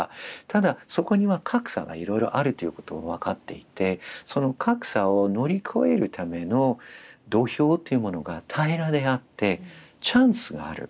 ただそこには格差がいろいろあるということは分かっていてその格差を乗り越えるための土俵っていうものが平らであってチャンスがある。